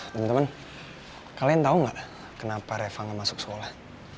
teman teman kalian tahu nggak kenapa reva nggak masuk sekolah